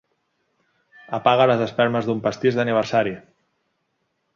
Apaga les espelmes d'un pastís d'aniversari.